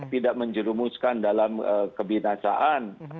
tidak menjerumuskan dalam kebinasaan